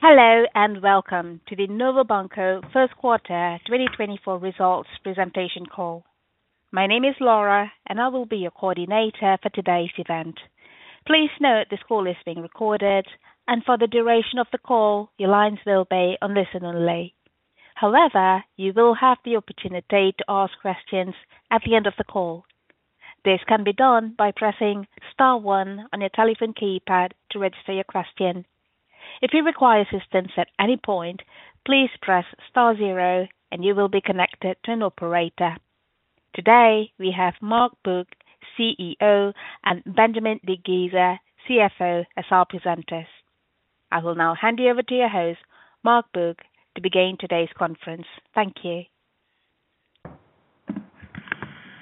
Hello and welcome to the Novo Banco first quarter 2024 results presentation call. My name is Laura, and I will be your coordinator for today's event. Please note this call is being recorded, and for the duration of the call your lines will be on listen only. However, you will have the opportunity to ask questions at the end of the call. This can be done by pressing star one on your telephone keypad to register your question. If you require assistance at any point, please press star zero and you will be connected to an operator. Today we have Mark Bourke, CEO, and Benjamin Dickgiesser, CFO, as our presenters. I will now hand you over to your host, Mark Bourke, to begin today's conference. Thank you.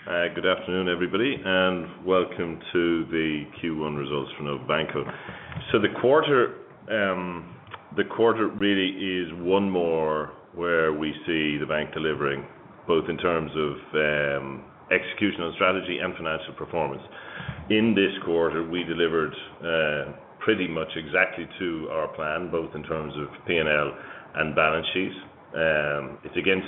Good afternoon, everybody, and welcome to the Q1 results for Novo Banco. So the quarter really is one more where we see the bank delivering, both in terms of execution on strategy and financial performance. In this quarter, we delivered pretty much exactly to our plan, both in terms of P&L and balance sheets. It's against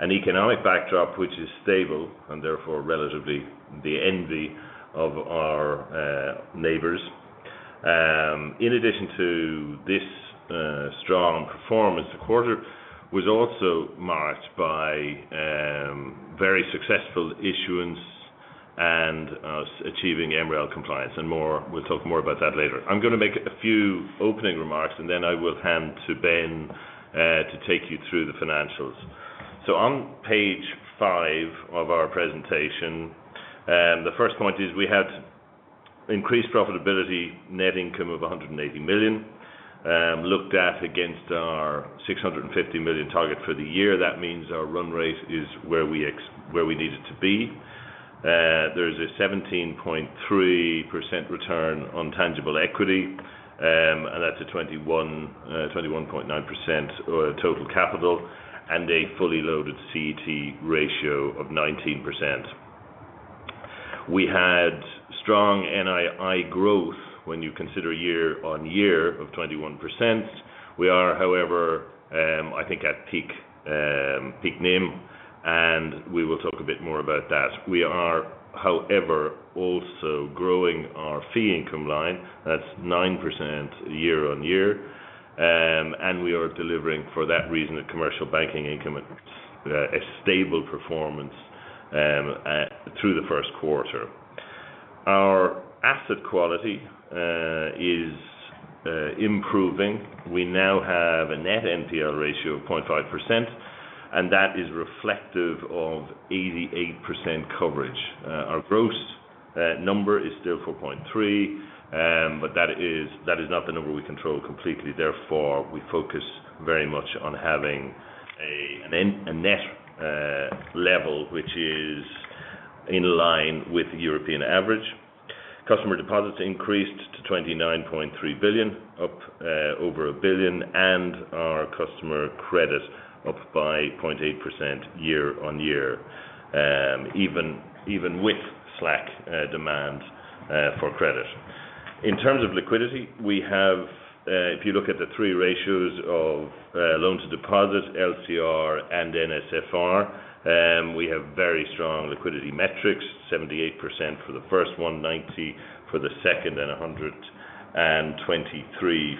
an economic backdrop which is stable, and therefore relatively the envy of our neighbors. In addition to this strong performance, the quarter was also marked by very successful issuance and achieving MREL compliance, and we'll talk more about that later. I'm going to make a few opening remarks, and then I will hand to Ben to take you through the financials. So on page five of our presentation, the first point is we had increased profitability net income of 180 million, looked at against our 650 million target for the year. That means our run rate is where we needed to be. There's a 17.3% return on tangible equity, and that's a 21.9% total capital, and a fully loaded CET ratio of 19%. We had strong NII growth when you consider year-on-year of 21%. We are, however, I think, at peak NIM, and we will talk a bit more about that. We are, however, also growing our fee income line. That's 9% year-on-year, and we are delivering, for that reason, a Commercial Banking income and a stable performance through the first quarter. Our asset quality is improving. We now have a net NPL ratio of 0.5%, and that is reflective of 88% coverage. Our gross number is still 4.3%, but that is not the number we control completely. Therefore, we focus very much on having a net level which is in line with the European average. Customer deposits increased to 29.3 billion, up over 1 billion, and our customer credit up by 0.8% year-on-year, even with slack demand for credit. In terms of liquidity, if you look at the three ratios of loan to deposit, LCR, and NSFR, we have very strong liquidity metrics: 78% for the first one, 90% for the second, and 123%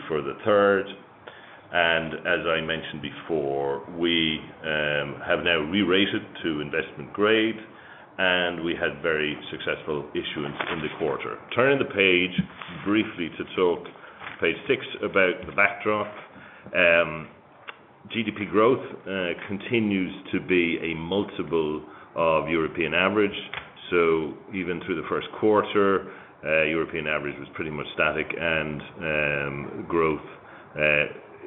for the third. And as I mentioned before, we have now re-rated to investment grade, and we had very successful issuance in the quarter. Turning the page briefly to talk page six about the backdrop, GDP growth continues to be a multiple of European average. So even through the first quarter, European average was pretty much static, and growth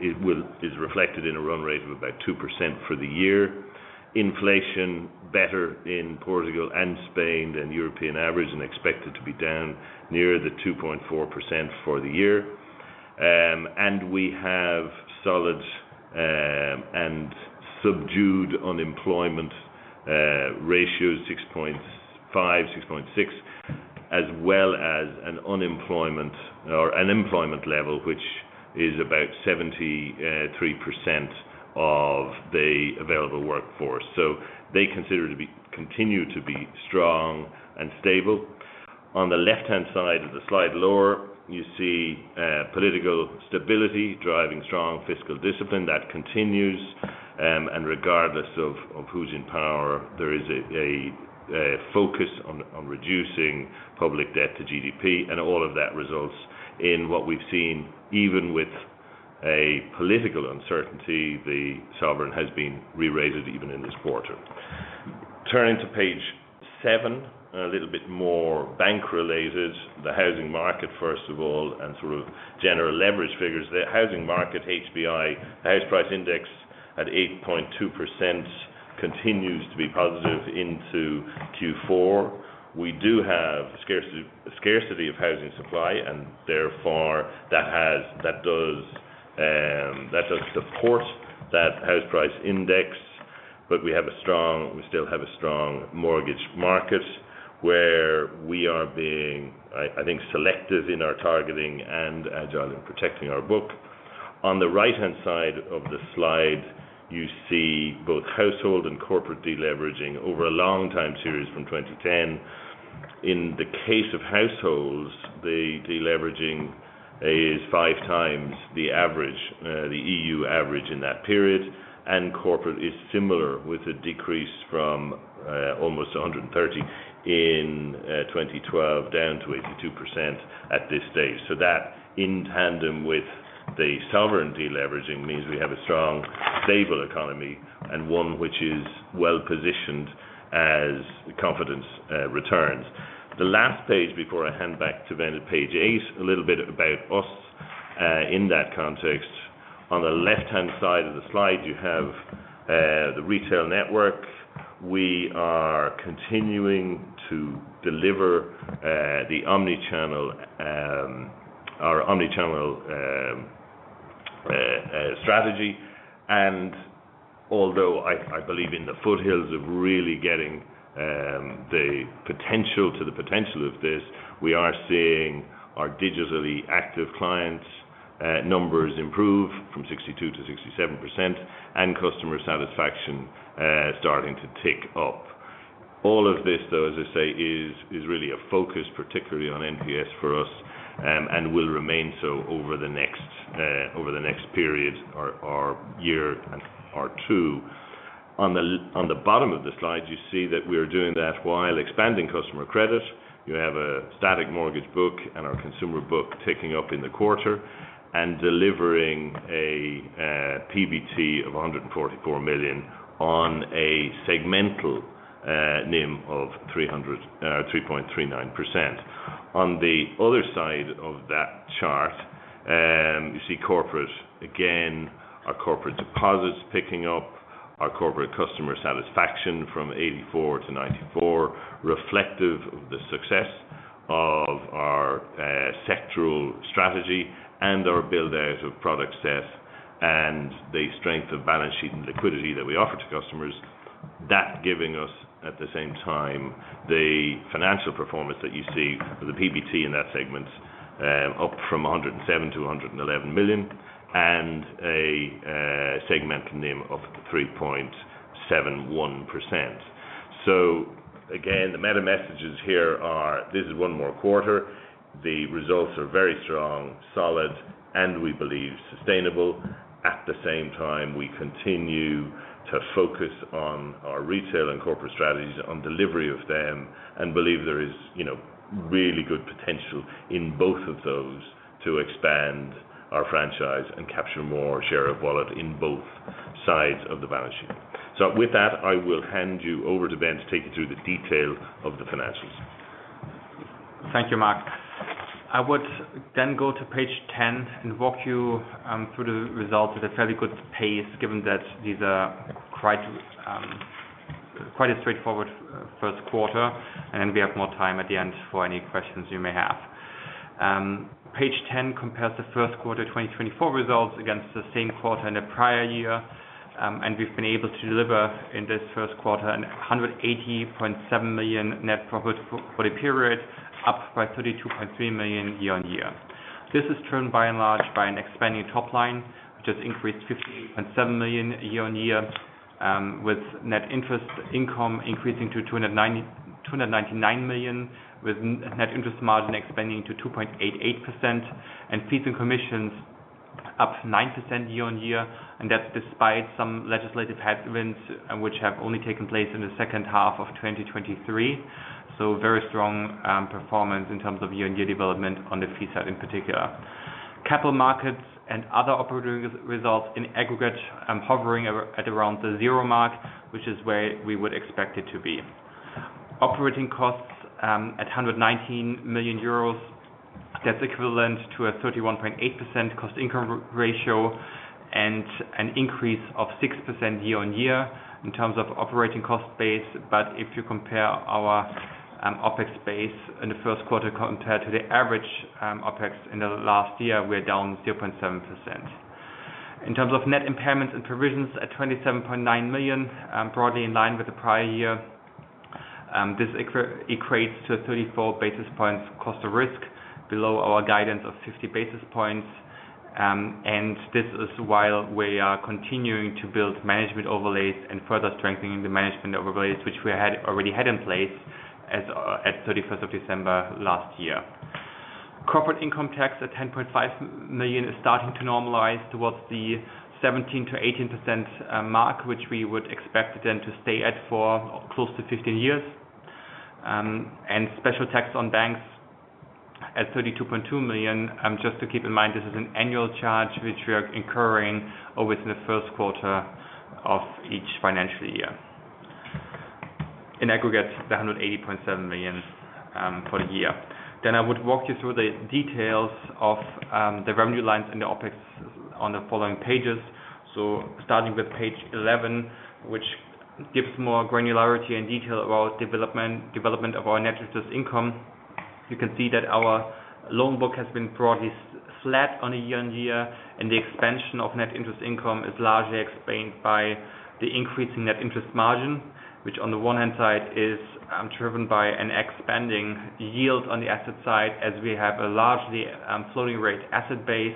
is reflected in a run rate of about 2% for the year. Inflation better in Portugal and Spain than European average and expected to be down near the 2.4% for the year. We have solid and subdued unemployment ratios 6.5%-6.6%, as well as an employment level which is about 73% of the available workforce. They continue to be strong and stable. On the left-hand side of the slide, lower, you see political stability driving strong fiscal discipline. That continues, and regardless of who's in power, there is a focus on reducing public debt to GDP, and all of that results in what we've seen even with a political uncertainty: the sovereign has been re-rated even in this quarter. Turning to page seven, a little bit more bank-related, the housing market, first of all, and sort of general leverage figures. The housing market, HPI, the house price index at 8.2% continues to be positive into Q4. We do have scarcity of housing supply, and therefore that does support that house price index, but we still have a strong mortgage market where we are being, I think, selective in our targeting and agile in protecting our book. On the right-hand side of the slide, you see both household and corporate deleveraging over a long time series from 2010. In the case of households, the deleveraging is five times the EU average in that period, and corporate is similar with a decrease from almost 130% in 2012 down to 82% at this stage. So that, in tandem with the sovereign deleveraging, means we have a strong, stable economy and one which is well-positioned as confidence returns. The last page before I hand back to Ben at page eight, a little bit about us in that context. On the left-hand side of the slide, you have the retail network. We are continuing to deliver our omnichannel strategy, and although I believe in the foothills of really getting to the potential of this, we are seeing our digitally active client numbers improve from 62%-67%, and customer satisfaction starting to tick up. All of this, though, as I say, is really a focus, particularly on NPS for us, and will remain so over the next period, on a year or two. On the bottom of the slide, you see that we are doing that while expanding customer credit. You have a static mortgage book and our consumer book ticking up in the quarter and delivering a PBT of 144 million on a segmental NIM of 3.39%. On the other side of that chart, you see corporate, again, our corporate deposits picking up, our corporate customer satisfaction from 84% to 94%, reflective of the success of our sectoral strategy and our build-out of product set and the strength of balance sheet and liquidity that we offer to customers. That giving us, at the same time, the financial performance that you see with the PBT in that segment, up from 107 million-111 million, and a segmental NIM of 3.71%. So again, the meta-messages here are: this is one more quarter. The results are very strong, solid, and we believe sustainable. At the same time, we continue to focus on our Retail and Corporate strategies, on delivery of them, and believe there is really good potential in both of those to expand our franchise and capture more share of wallet in both sides of the balance sheet. With that, I will hand you over to Ben to take you through the detail of the financials. Thank you, Mark. I would then go to page 10 and walk you through the results at a fairly good pace, given that these are quite a straightforward first quarter, and then we have more time at the end for any questions you may have. Page 10 compares the first quarter 2024 results against the same quarter in the prior year, and we've been able to deliver in this first quarter a 180.7 million net profit for the period, up by 32.3 million year-on-year. This is driven by and large by an expanding top line, which has increased 58.7 million year-on-year, with net interest income increasing to 299 million, with net interest margin expanding to 2.88%, and fees and commissions up 9% year-on-year. That's despite some legislative headwinds which have only taken place in the second half of 2023. Very strong performance in terms of year-on-year development on the fee side in particular. Capital markets and other operating results in aggregate hovering at around the zero mark, which is where we would expect it to be. Operating costs at 119 million euros, that's equivalent to a 31.8% cost-income ratio and an increase of 6% year-on-year in terms of operating cost base. But if you compare our OpEx base in the first quarter compared to the average OpEx in the last year, we are down 0.7%. In terms of net impairments and provisions, at 27.9 million, broadly in line with the prior year, this equates to a 34 basis points cost of risk, below our guidance of 50 basis points. And this is while we are continuing to build management overlays and further strengthening the management overlays, which we already had in place at 31st of December last year. Corporate income tax at 10.5 million is starting to normalize towards the 17%-18% mark, which we would expect it then to stay at for close to 15 years. And special tax on banks at 32.2 million. Just to keep in mind, this is an annual charge which we are incurring always in the first quarter of each financial year. In aggregate, the 180.7 million for the year. I would walk you through the details of the revenue lines and the OpEx on the following pages. So starting with page 11, which gives more granularity and detail about development of our net interest income, you can see that our loan book has been broadly flat on a year-on-year, and the expansion of net interest income is largely explained by the increasing net interest margin, which on the one-hand side is driven by an expanding yield on the asset side as we have a largely floating-rate asset base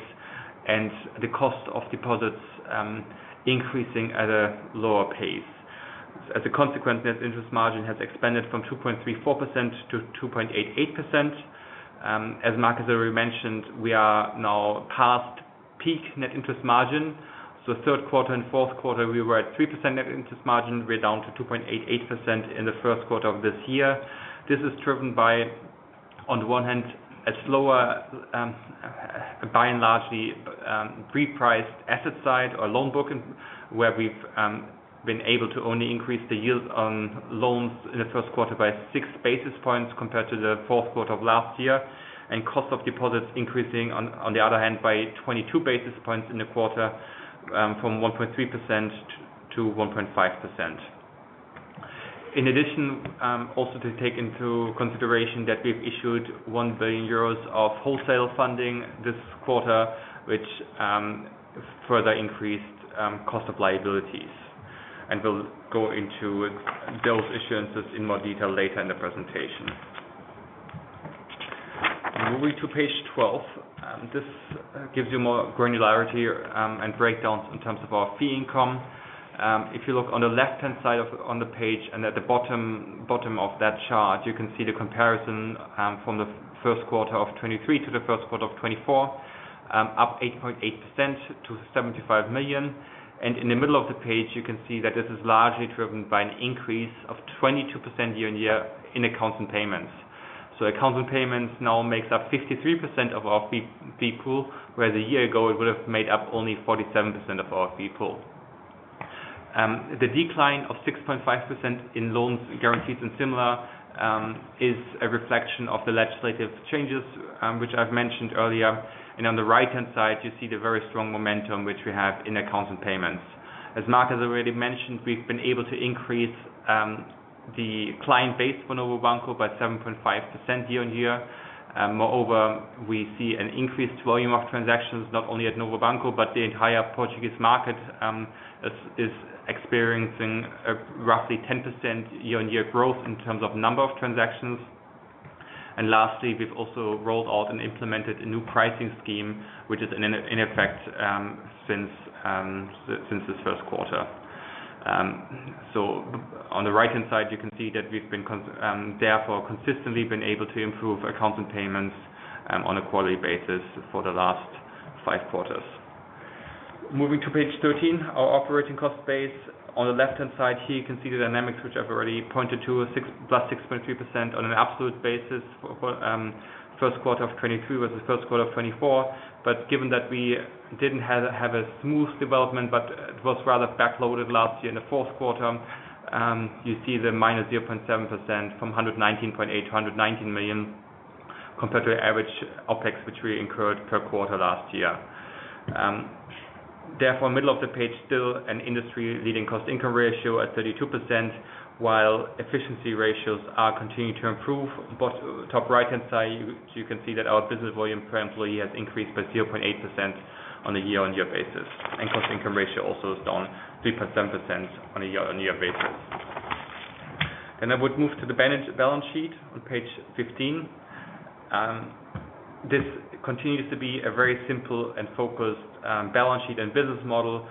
and the cost of deposits increasing at a lower pace. As a consequence, net interest margin has expanded from 2.34%-2.88%. As Mark has already mentioned, we are now past peak net interest margin. So third quarter and fourth quarter, we were at 3% net interest margin. We're down to 2.88% in the first quarter of this year. This is driven by, on the one hand, a slower, by and large repriced asset side or loan book where we've been able to only increase the yield on loans in the first quarter by 6 basis points compared to the fourth quarter of last year, and cost of deposits increasing, on the other hand, by 22 basis points in the quarter from 1.3%-1.5%. In addition, also to take into consideration that we've issued 1 billion euros of wholesale funding this quarter, which further increased cost of liabilities. We'll go into those issuances in more detail later in the presentation. Moving to page 12, this gives you more granularity and breakdowns in terms of our fee income. If you look on the left-hand side of the page and at the bottom of that chart, you can see the comparison from the first quarter of 2023 to the first quarter of 2024, up 8.8% to 75 million. In the middle of the page, you can see that this is largely driven by an increase of 22% year-on-year in accounts and payments. Accounts and payments now make up 53% of our fee pool, whereas a year ago, it would have made up only 47% of our fee pool. The decline of 6.5% in loans, guarantees, and similar is a reflection of the legislative changes which I've mentioned earlier. On the right-hand side, you see the very strong momentum which we have in accounts and payments. As Mark has already mentioned, we've been able to increase the client base for Novo Banco by 7.5% year-on-year. Moreover, we see an increased volume of transactions not only at Novo Banco, but the entire Portuguese market is experiencing roughly 10% year-on-year growth in terms of number of transactions. And lastly, we've also rolled out and implemented a new pricing scheme, which is in effect since this first quarter. So on the right-hand side, you can see that we've therefore consistently been able to improve accounts and payments on a quarterly basis for the last five quarters. Moving to page 13, our operating cost base. On the left-hand side here, you can see the dynamics which I've already pointed to: plus 6.3% on an absolute basis for first quarter of 2023 versus first quarter of 2024. But given that we didn't have a smooth development, but it was rather backloaded last year in the fourth quarter, you see the minus 0.7% from 119.8 million to 119 million compared to average OpEx which we incurred per quarter last year. Therefore, middle of the page, still an industry-leading cost-income ratio at 32%, while efficiency ratios are continuing to improve. Top right-hand side, you can see that our business volume per employee has increased by 0.8% on a year-on-year basis, and cost-income ratio also is down 3.7% on a year-on-year basis. Then I would move to the balance sheet on page 15. This continues to be a very simple and focused balance sheet and business model,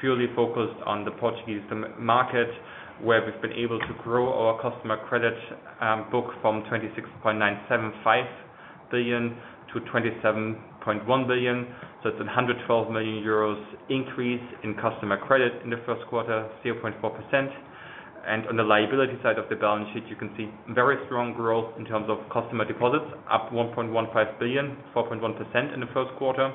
purely focused on the Portuguese market, where we've been able to grow our customer credit book from 26.975 billion to 27.1 billion. So it's a 112 million euros increase in customer credit in the first quarter, 0.4%. And on the liability side of the balance sheet, you can see very strong growth in terms of customer deposits, up 1.15 billion, 4.1% in the first quarter.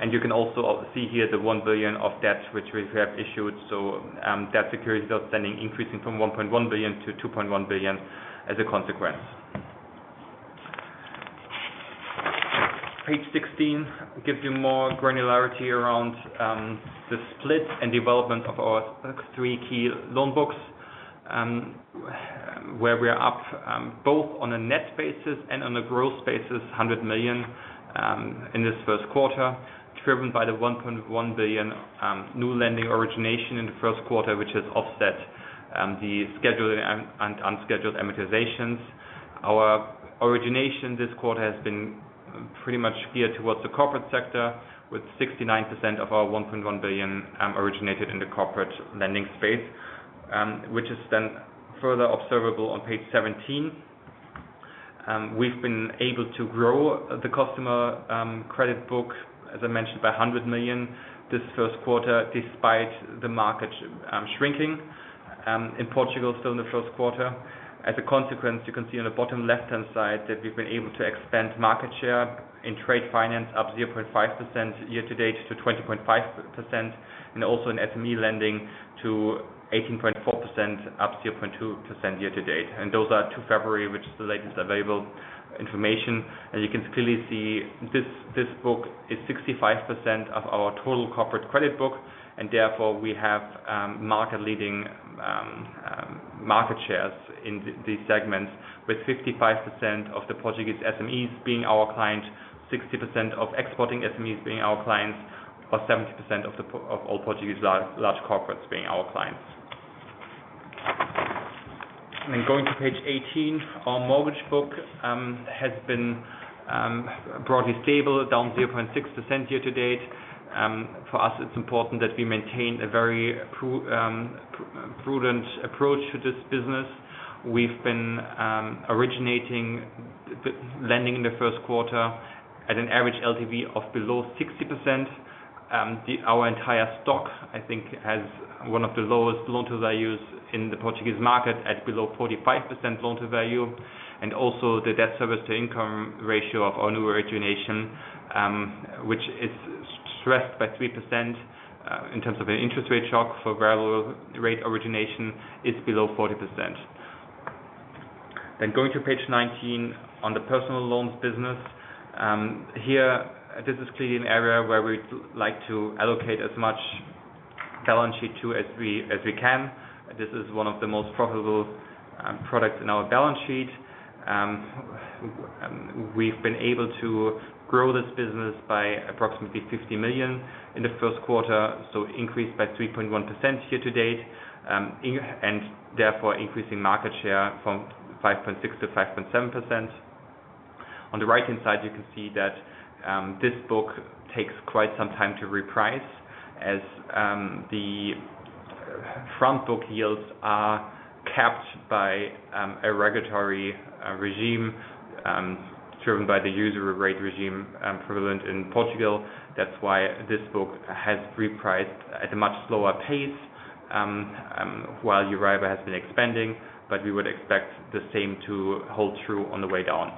And you can also see here the 1 billion of debt which we have issued. So debt securities outstanding increasing from 1.1 billion-2.1 billion as a consequence. Page 16 gives you more granularity around the split and development of our three key loan books, where we are up both on a net basis and on a gross basis, 100 million in this first quarter, driven by the 1.1 billion new lending origination in the first quarter, which has offset the scheduled and unscheduled amortizations. Our origination this quarter has been pretty much geared towards the corporate sector, with 69% of our 1.1 billion originated in the corporate lending space, which is then further observable on page 17. We've been able to grow the customer credit book, as I mentioned, by 100 million this first quarter, despite the market shrinking in Portugal, still in the first quarter. As a consequence, you can see on the bottom left-hand side that we've been able to expand market share in trade finance, up 0.5% year-to-date to 20.5%, and also in SME lending to 18.4%, up 0.2% year-to-date. Those are to February, which is the latest available information. You can clearly see this book is 65% of our total corporate credit book, and therefore, we have market-leading market shares in these segments, with 55% of the Portuguese SMEs being our client, 60% of exporting SMEs being our clients, or 70% of all Portuguese large corporates being our clients. Then going to page 18, our mortgage book has been broadly stable, down 0.6% year-to-date. For us, it's important that we maintain a very prudent approach to this business. We've been originating lending in the first quarter at an average LTV of below 60%. Our entire stock, I think, has one of the lowest loan-to-values in the Portuguese market, at below 45% loan-to-value. Also the debt service-to-income ratio of our new origination, which is stressed by 3% in terms of an interest rate shock for variable-rate origination, is below 40%. Going to page 19 on the personal loans business, here, this is clearly an area where we'd like to allocate as much balance sheet to as we can. This is one of the most profitable products in our balance sheet. We've been able to grow this business by approximately 50 million in the first quarter, so increased by 3.1% year-to-date, and therefore increasing market share from 5.6% to 5.7%. On the right-hand side, you can see that this book takes quite some time to reprice, as the front book yields are capped by a regulatory regime driven by the usury rate regime prevalent in Portugal. That's why this book has repriced at a much slower pace, while Euribor has been expanding. But we would expect the same to hold true on the way down.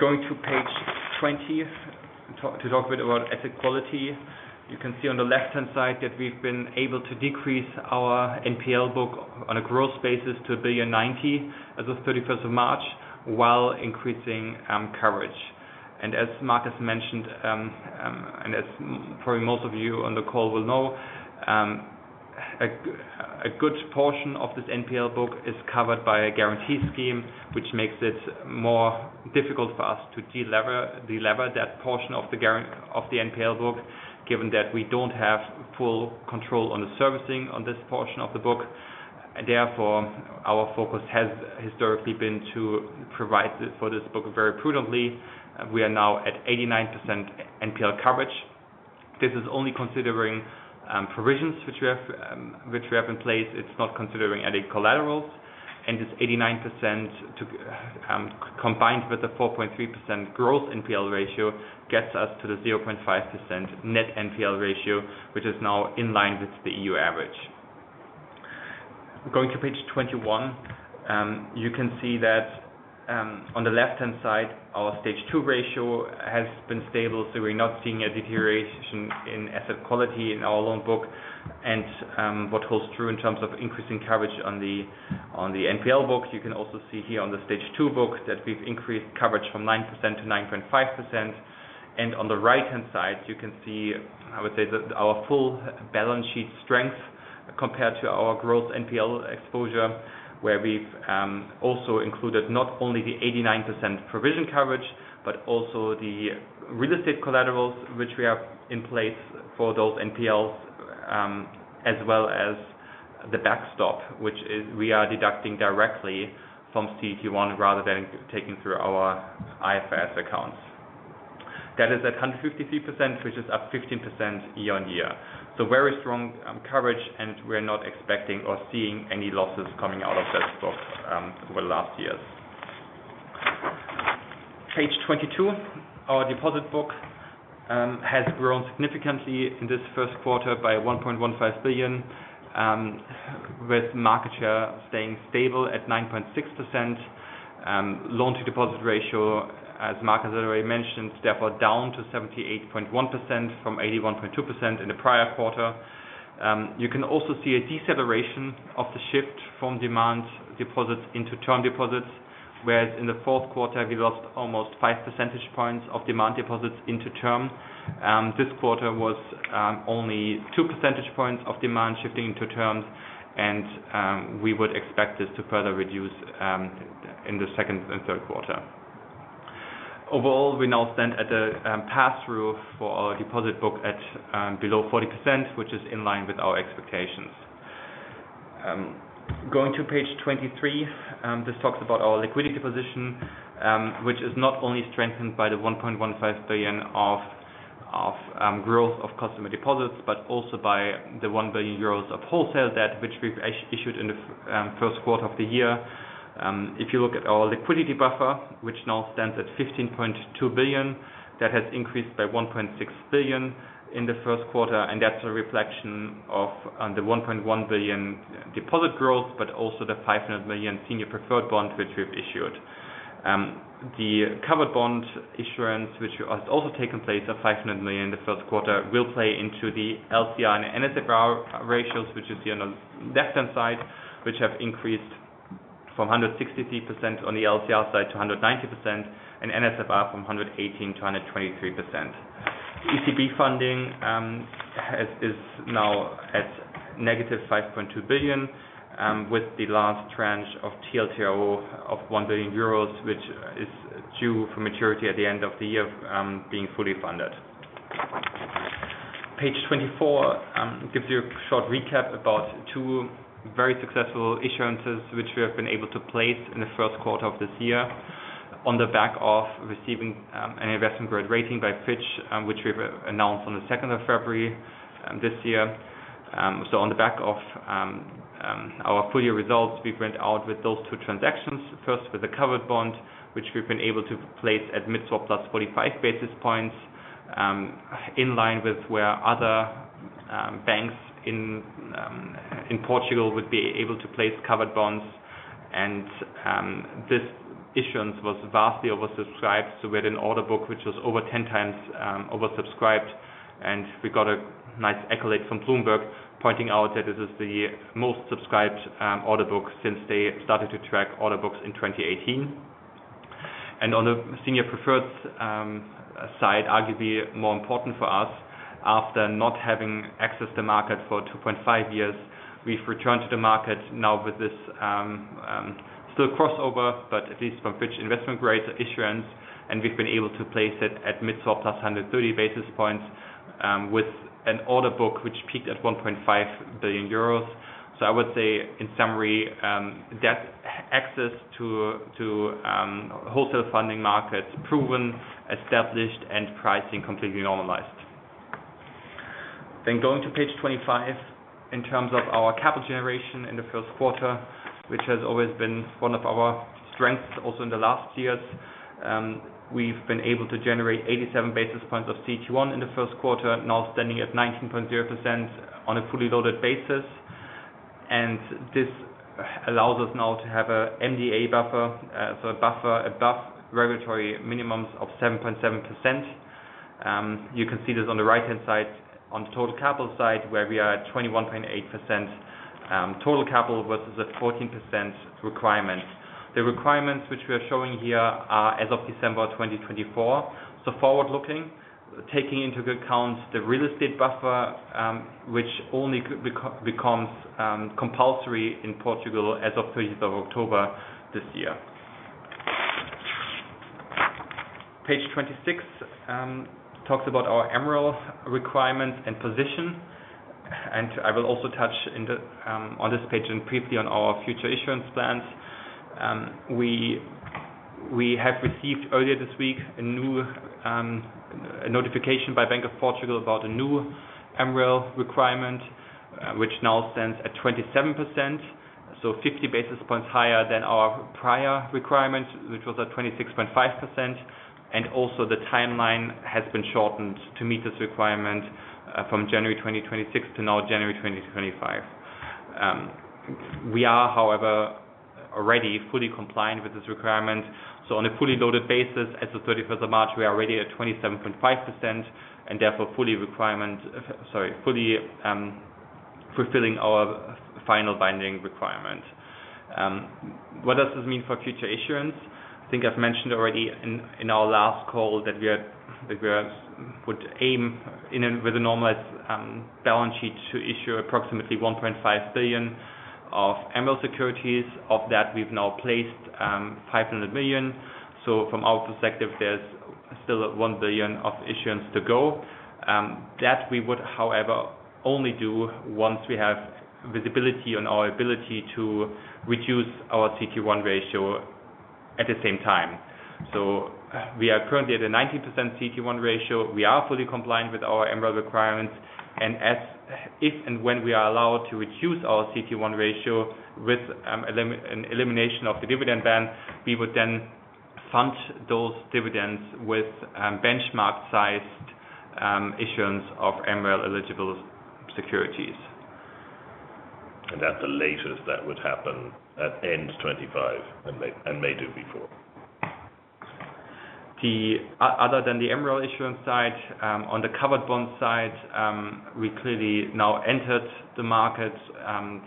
Going to page 20 to talk a bit about asset quality, you can see on the left-hand side that we've been able to decrease our NPL book on a gross basis to 1.09 billion as of 31st of March, while increasing coverage. As Mark has mentioned, and as probably most of you on the call will know, a good portion of this NPL book is covered by a guarantee scheme, which makes it more difficult for us to delever that portion of the NPL book, given that we don't have full control on the servicing on this portion of the book. Therefore, our focus has historically been to provide for this book very prudently. We are now at 89% NPL coverage. This is only considering provisions which we have in place. It's not considering adding collaterals. This 89%, combined with the 4.3% gross NPL ratio, gets us to the 0.5% net NPL ratio, which is now in line with the EU average. Going to page 21, you can see that on the left-hand side, our Stage 2 ratio has been stable, so we're not seeing a deterioration in asset quality in our loan book. What holds true in terms of increasing coverage on the NPL book, you can also see here on the Stage 2 book that we've increased coverage from 9% to 9.5%. On the right-hand side, you can see, I would say, our full balance sheet strength compared to our gross NPL exposure, where we've also included not only the 89% provision coverage, but also the real estate collaterals, which we have in place for those NPLs, as well as the backstop, which is we are deducting directly from CET1 rather than taking through our IFRS accounts. That is at 153%, which is up 15% year-on-year. So very strong coverage, and we're not expecting or seeing any losses coming out of this book over the last years. Page 22, our deposit book has grown significantly in this first quarter by 1.15 billion, with market share staying stable at 9.6%. Loan-to-deposit ratio, as Mark has already mentioned, therefore down to 78.1% from 81.2% in the prior quarter. You can also see a deceleration of the shift from demand deposits into term deposits, whereas in the fourth quarter, we lost almost 5 percentage points of demand deposits into term. This quarter was only 2 percentage points of demand shifting into terms, and we would expect this to further reduce in the second and third quarter. Overall, we now stand at a pass-through for our deposit book at below 40%, which is in line with our expectations. Going to page 23, this talks about our liquidity position, which is not only strengthened by the 1.15 billion of growth of customer deposits, but also by the 1 billion euros of wholesale debt, which we've issued in the first quarter of the year. If you look at our liquidity buffer, which now stands at 15.2 billion, that has increased by 1.6 billion in the first quarter. That's a reflection of the 1.1 billion deposit growth, but also the 500 million senior preferred bond, which we've issued. The covered bond issuance, which has also taken place at 500 million in the first quarter, will play into the LCR and NSFR ratios, which you see on the left-hand side, which have increased from 163% on the LCR side to 190%, and NSFR from 118% to 123%. ECB funding is now at -5.2 billion, with the last tranche of TLTRO of 1 billion euros, which is due for maturity at the end of the year, being fully funded. Page 24 gives you a short recap about two very successful issuances which we have been able to place in the first quarter of this year, on the back of receiving an investment grade rating by Fitch, which we've announced on the 2nd of February this year. On the back of our full-year results, we went out with those two transactions, first with the covered bond, which we've been able to place at mid-swap plus 45 basis points, in line with where other banks in Portugal would be able to place covered bonds. This issuance was vastly oversubscribed, so we had an order book which was over 10 times oversubscribed. We got a nice accolade from Bloomberg pointing out that this is the most subscribed order book since they started to track order books in 2018. On the senior preferred side, arguably more important for us, after not having accessed the market for two and half years, we've returned to the market now with this still crossover, but at least from Fitch investment grade issuance. We've been able to place it at mid-swap plus 130 basis points, with an order book which peaked at 1.5 billion euros. So I would say, in summary, debt access to wholesale funding markets proven, established, and pricing completely normalized. Then going to page 25, in terms of our capital generation in the first quarter, which has always been one of our strengths also in the last years, we've been able to generate 87 basis points of CET1 in the first quarter, now standing at 19.0% on a fully loaded basis. This allows us now to have an MDA buffer, so a buffer above regulatory minimums of 7.7%. You can see this on the right-hand side, on the total capital side, where we are at 21.8% total capital versus a 14% requirement. The requirements which we are showing here are as of December 2024, so forward-looking, taking into account the real estate buffer, which only becomes compulsory in Portugal as of 30th of October this year. Page 26 talks about our MREL requirements and position. I will also touch on this page and briefly on our future issuance plans. We have received earlier this week a notification by Bank of Portugal about a new MREL requirement, which now stands at 27%, so 50 basis points higher than our prior requirement, which was at 26.5%. Also the timeline has been shortened to meet this requirement from January 2026 to now January 2025. We are, however, already fully compliant with this requirement. So on a fully loaded basis, as of 31st of March, we are already at 27.5% and therefore fully fulfilling our final binding requirement. What does this mean for future issuance? I think I've mentioned already in our last call that we would aim, with a normalized balance sheet, to issue approximately 1.5 billion of MREL securities. Of that, we've now placed 500 million. So from our perspective, there's still 1 billion of issuance to go. That we would, however, only do once we have visibility on our ability to reduce our CET1 ratio at the same time. So we are currently at a 19% CET1 ratio. We are fully compliant with our MREL requirements. And if and when we are allowed to reduce our CET1 ratio with an elimination of the dividend ban, we would then fund those dividends with benchmark-sized issuance of MREL-eligible securities. And that's the latest that would happen at end 2025 and may do before? Other than the MREL issuance side, on the covered bond side, we clearly now entered the market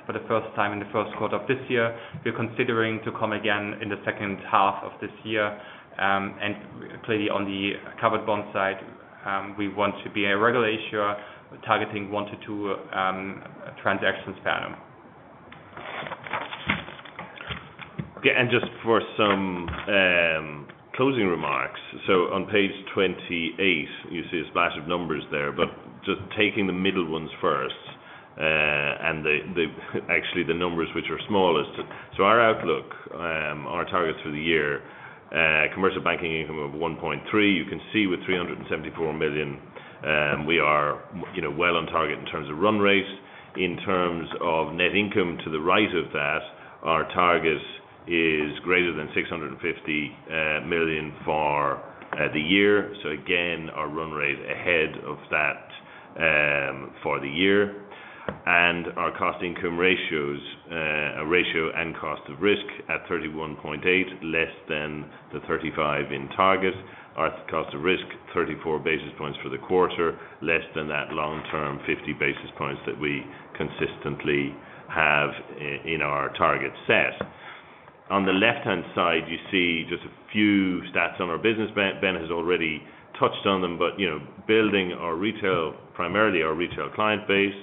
for the first time in the first quarter of this year. We're considering to come again in the second half of this year. Clearly, on the covered bond side, we want to be a regular issuer, targeting one to two transactions per annum. Just for some closing remarks, on page 28, you see a splash of numbers there, but just taking the middle ones first and actually the numbers which are smallest. Our outlook, our targets for the year, Commercial Banking income of 1.3 billion. You can see with 374 million, we are well on target in terms of run rate. In terms of net income, to the right of that, our target is greater than 650 million for the year. So again, our run rate ahead of that for the year. And our cost-income ratios, a ratio and cost of risk at 31.8%, less than the 35% in target. Our cost of risk, 34 basis points for the quarter, less than that long-term 50 basis points that we consistently have in our target set. On the left-hand side, you see just a few stats on our business. Ben has already touched on them, but building our retail, primarily our retail client base,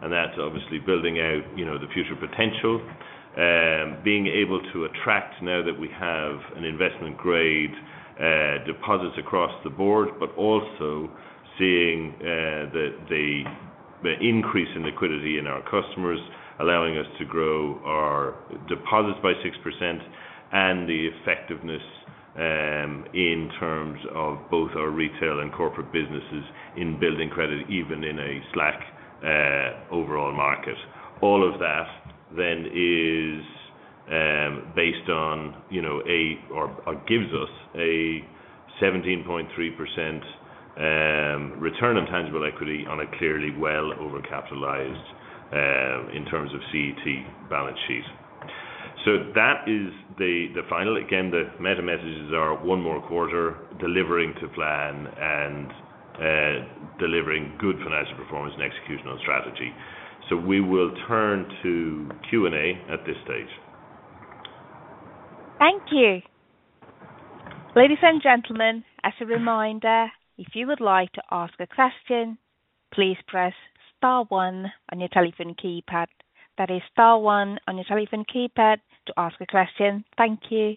and that's obviously building out the future potential, being able to attract, now that we have an investment grade deposits across the Board, but also seeing the increase in liquidity in our customers, allowing us to grow our deposits by 6% and the effectiveness in terms of both our Retail and Corporate businesses in building credit, even in a slack overall market. All of that then is based on or gives us a 17.3% return on tangible equity on a clearly well overcapitalized in terms of CET1 balance sheet. So that is the final. Again, the meta messages are one more quarter delivering to plan and delivering good financial performance and execution on strategy. So we will turn to Q&A at this stage. Thank you. Ladies and gentlemen, as a reminder, if you would like to ask a question, please press star one on your telephone keypad. That is star one on your telephone keypad to ask a question. Thank you.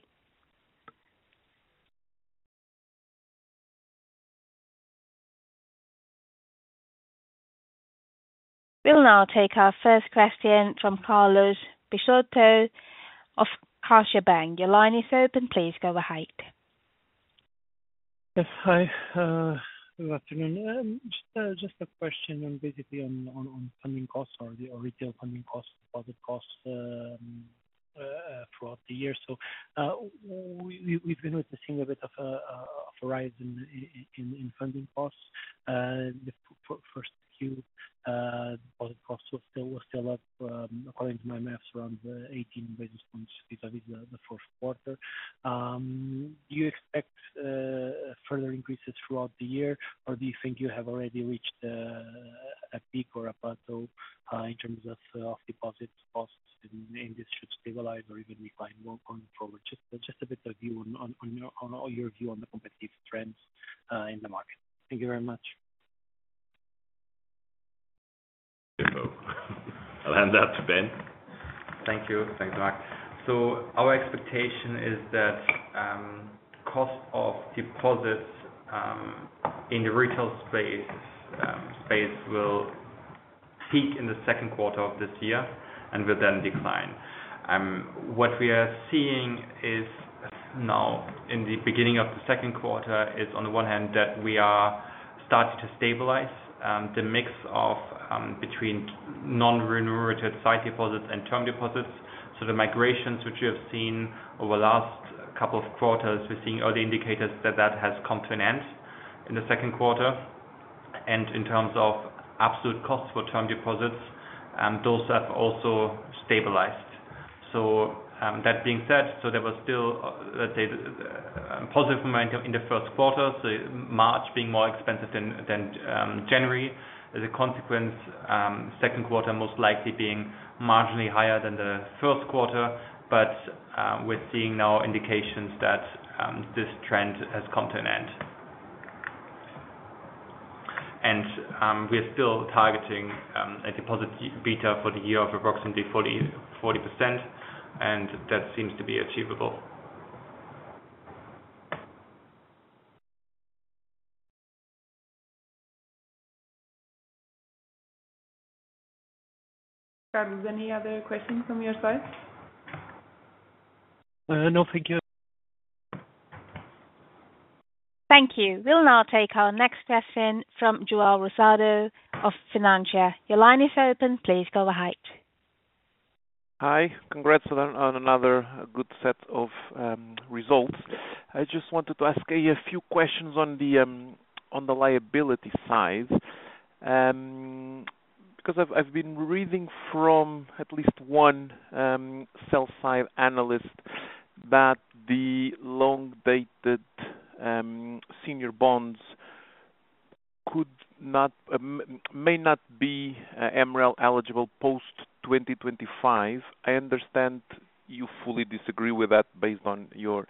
We'll now take our first question from Carlos Peixoto of CaixaBank. Your line is open. Please go ahead. Hi. Good afternoon. Just a question basically on funding costs or retail funding costs, deposit costs throughout the year. So we've been witnessing a bit of a rise in funding costs. The first Q deposit costs were still up, according to my math, around 18 basis points vis-à-vis the fourth quarter. Do you expect further increases throughout the year, or do you think you have already reached a peak or a plateau in terms of deposit costs, and this should stabilize or even decline going forward? Just a bit of your view on the competitive trends in the market. Thank you very much. I'll hand that to Ben. Thank you. Thanks, Mark. So our expectation is that cost of deposits in the retail space will peak in the second quarter of this year and will then decline. What we are seeing now in the beginning of the second quarter is, on the one hand, that we are starting to stabilize the mix between non-renewable sight deposits and term deposits. So the migrations which you have seen over the last couple of quarters, we're seeing early indicators that that has come to an end in the second quarter. And in terms of absolute costs for term deposits, those have also stabilized. So that being said, so there was still, let's say, a positive momentum in the first quarter, so March being more expensive than January. As a consequence, second quarter most likely being marginally higher than the first quarter. But we're seeing now indications that this trend has come to an end. And we are still targeting a deposit beta for the year of approximately 40%, and that seems to be achievable. Carlos, any other question from your side? No, thank you. Thank you. We'll now take our next question from João Rosado of Banco Finantia. Your line is open. Please go ahead. Hi. Congrats on another good set of results. I just wanted to ask a few questions on the liability side because I've been reading from at least one sell-side analyst that the long-dated senior bonds may not be MREL-eligible post-2025. I understand you fully disagree with that based on your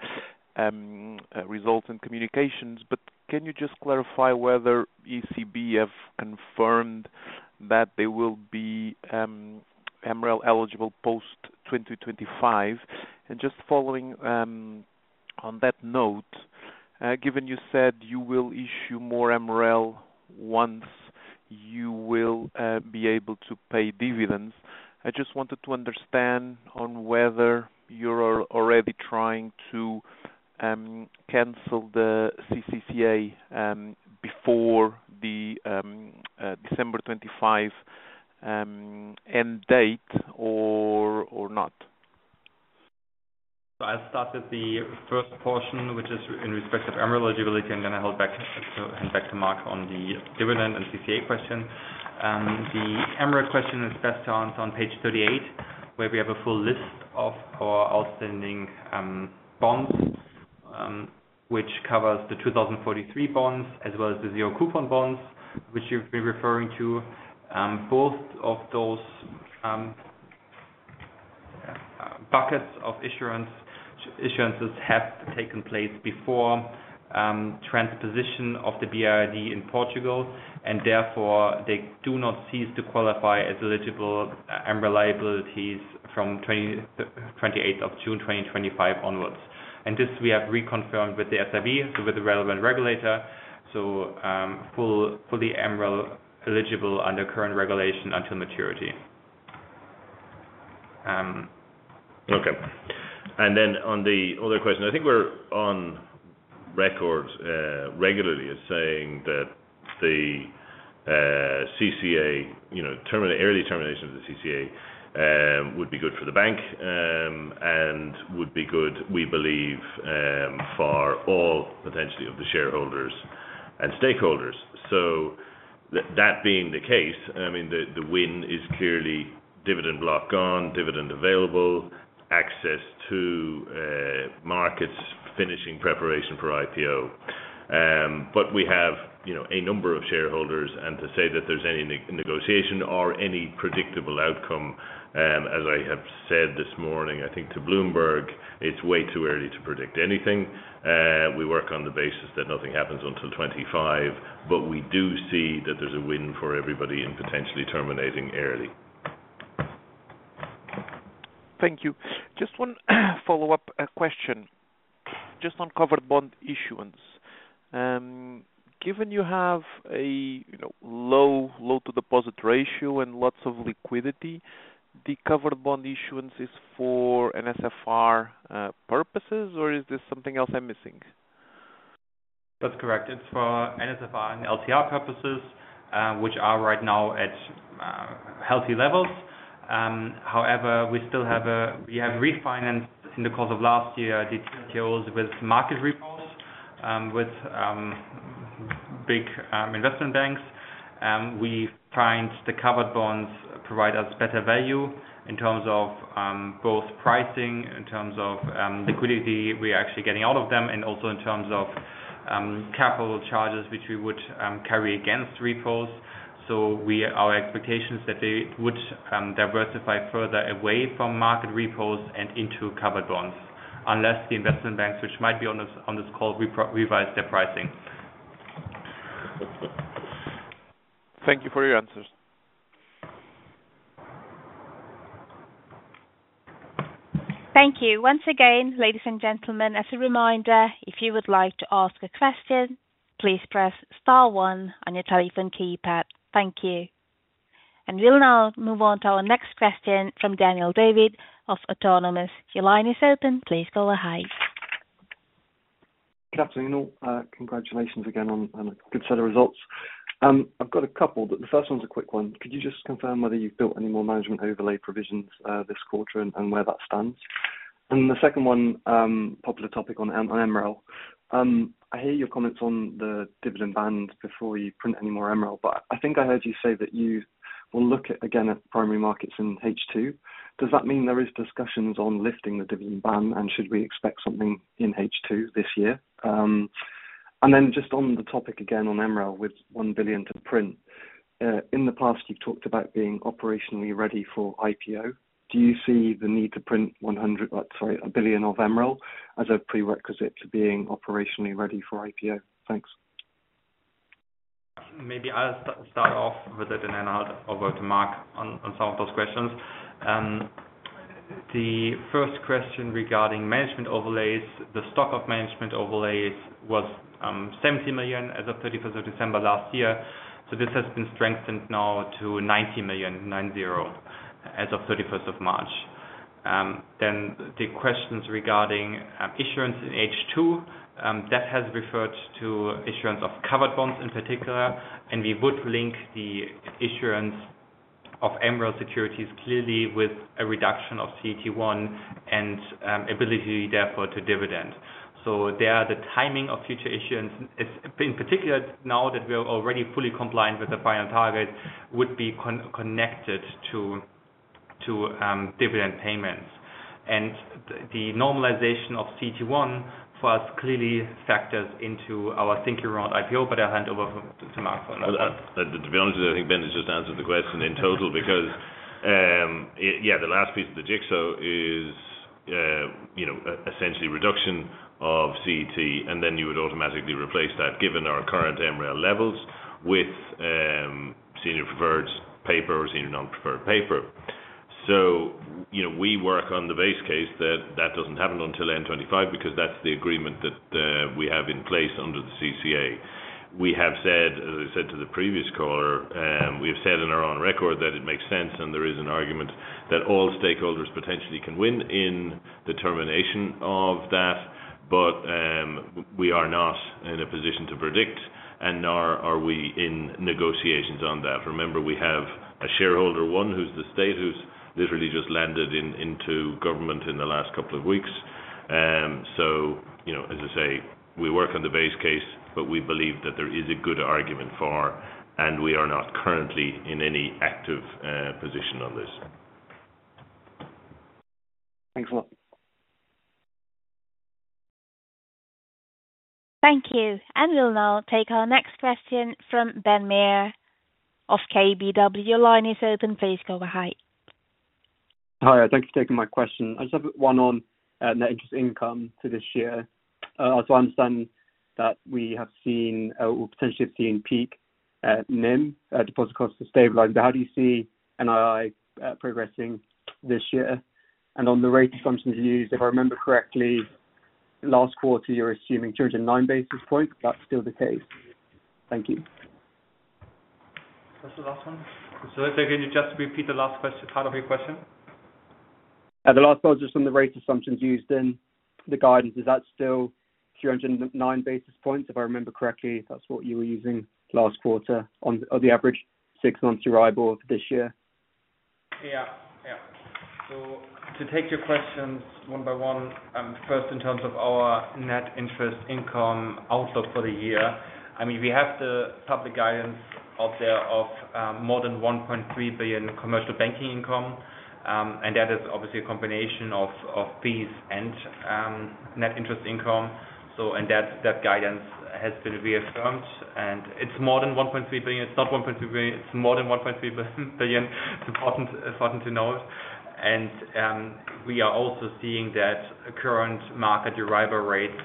results and communications, but can you just clarify whether ECB have confirmed that they will be MREL-eligible post-2025? And just following on that note, given you said you will issue more MREL once you will be able to pay dividends, I just wanted to understand on whether you're already trying to cancel the CCA before the December 2025 end date or not. So I'll start with the first portion, which is in respect of MREL-eligibility. I'm going to hand back to Mark on the dividend and CCA question. The MREL question is best to answer on page 38, where we have a full list of our outstanding bonds, which covers the 2043 bonds as well as the zero-coupon bonds, which you've been referring to. Both of those buckets of issuances have taken place before transposition of the BRRD in Portugal, and therefore, they do not cease to qualify as eligible MREL liabilities from 28th of June 2025 onwards. And this we have reconfirmed with the SRB, so with the relevant regulator, so fully MREL-eligible under current regulation until maturity. Okay. And then on the other question, I think we're on record regularly as saying that the CCA, early termination of the CCA, would be good for the bank and would be good, we believe, for all potentially of the shareholders and stakeholders. So that being the case, I mean, the win is clearly dividend block gone, dividend available, access to markets finishing preparation for IPO. But we have a number of shareholders. And to say that there's any negotiation or any predictable outcome, as I have said this morning, I think to Bloomberg, it's way too early to predict anything. We work on the basis that nothing happens until 2025, but we do see that there's a win for everybody in potentially terminating early. Thank you. Just one follow-up question, just on covered bond issuance. Given you have a loan-to-deposit ratio and lots of liquidity, the covered bond issuance is for NSFR purposes, or is this something else I'm missing? That's correct. It's for NSFR and LCR purposes, which are right now at healthy levels. However, we have refinanced in the course of last year the TLTROs with market repos with big investment banks. We find the covered bonds provide us better value in terms of both pricing, in terms of liquidity we are actually getting out of them, and also in terms of capital charges, which we would carry against repos. So our expectation is that they would diversify further away from market repos and into covered bonds unless the investment banks, which might be on this call, revise their pricing. Thank you for your answers. Thank you. Once again, ladies and gentlemen, as a reminder, if you would like to ask a question, please press star 1 on your telephone keypad. Thank you. And we'll now move on to our next question from Daniel David of Autonomous. Your line is open. Please go ahead. Good afternoon. Congratulations again on a good set of results. I've got a couple, but the first one's a quick one. Could you just confirm whether you've built any more management overlay provisions this quarter and where that stands? And the second one, popular topic on MREL, I hear your comments on the dividend ban before you print any more MREL, but I think I heard you say that you will look again at primary markets in H2. Does that mean there are discussions on lifting the dividend ban, and should we expect something in H2 this year? And then just on the topic again on MREL with 1 billion to print, in the past, you've talked about being operationally ready for IPO. Do you see the need to print 100 sorry, 1 billion of MREL as a prerequisite to being operationally ready for IPO? Thanks. Maybe I'll start off with it, and then I'll hand over to Mark on some of those questions. The first question regarding management overlays, the stock of management overlays was 70 million as of 31st of December last year. So this has been strengthened now to 90 million, 9-0, as of 31st of March. Then the questions regarding issuance in H2, that has referred to issuance of covered bonds in particular, and we would link the issuance of MREL securities clearly with a reduction of CET1 and ability, therefore, to dividend. So there, the timing of future issuance, in particular now that we are already fully compliant with the final target, would be connected to dividend payments. And the normalization of CET1 for us clearly factors into our thinking around IPO, but I'll hand over to Mark for another question. To be honest with you, I think Ben has just answered the question in total because, yeah, the last piece of the jigsaw is essentially reduction of CET1, and then you would automatically replace that, given our current MREL levels, with senior preferred paper or senior non-preferred paper. So we work on the base case that that doesn't happen until 2025 because that's the agreement that we have in place under the CCA. We have said, as I said to the previous caller, we have said in our own record that it makes sense, and there is an argument that all stakeholders potentially can win in the termination of that, but we are not in a position to predict, and nor are we in negotiations on that. Remember, we have a shareholder one who's the state who's literally just landed into government in the last couple of weeks. So, as I say, we work on the base case, but we believe that there is a good argument for, and we are not currently in any active position on this. Thanks a lot. Thank you. And we'll now take our next question from Ben Maher of KBW. Your line is open. Please go ahead. Hi. Thanks for taking my question. I just have one on net interest income for this year. So I understand that we have seen or potentially have seen peak NIM, deposit costs have stabilized, but how do you see NII progressing this year? And on the rate assumptions used, if I remember correctly, last quarter, you're assuming 209 basis points. Is that still the case? Thank you. That's the last one. So if I can just repeat the last part of your question. The last part was just on the rate assumptions used in the guidance. Is that still 309 basis points? If I remember correctly, that's what you were using last quarter on the average six-months Euribor of this year. Yeah. Yeah. So to take your questions one by one, first, in terms of our net interest income outlook for the year, I mean, we have the public guidance out there of more than 1.3 billion Commercial Banking income, and that is obviously a combination of fees and net interest income. And that guidance has been reaffirmed, and it's more than 1.3 billion. It's not 1.3 billion. It's more than 1.3 billion. It's important to know it. And we are also seeing that current market Euribor rates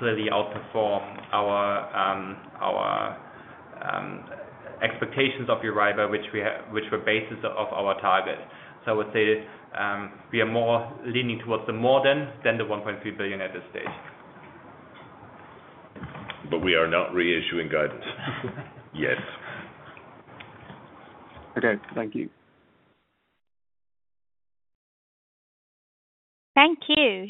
clearly outperform our expectations of Euribor, which were basis of our target. So I would say we are more leaning towards the more than than the 1.3 billion at this stage. But we are not reissuing guidance yet. Okay. Thank you. Thank you.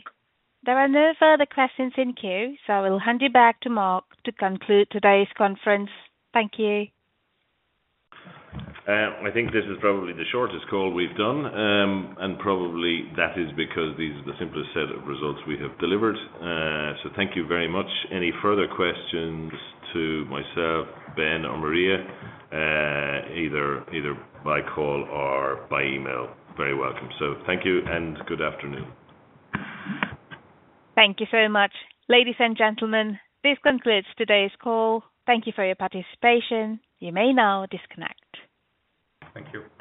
There are no further questions in queue, so I will hand you back to Mark to conclude today's conference. Thank you. I think this is probably the shortest call we've done, and probably that is because these are the simplest set of results we have delivered. So thank you very much. Any further questions to myself, Ben, or Maria, either by call or by email, very welcome. So thank you, and good afternoon. Thank you so much. Ladies and gentlemen, this concludes today's call. Thank you for your participation. You may now disconnect. Thank you.